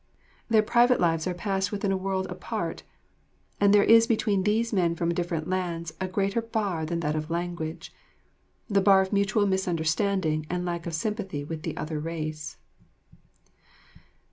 Their private lives are passed within a world apart, and there is between these men from different lands a greater bar than that of language the bar of mutual misunderstanding and lack of sympathy with the other race.